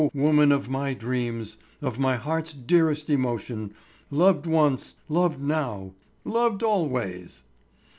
woman of my dreams, of my heart's dearest emotion, loved once, loved now, loved always!